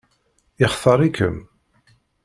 Yextaṛ-ikem?